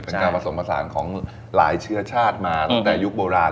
การผสมผสานของหลายเชื้อชาติมาตั้งแต่ยุคโบราณ